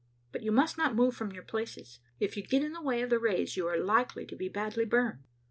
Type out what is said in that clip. But you must not move from your places. If you get in the way of the rays, you are likely to be badly burned."